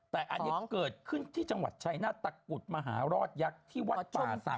แต่อันนี้เกิดขึ้นที่จังหวัดชายนาฏตะกุดมหารอดยักษ์ที่วัดป่าศักด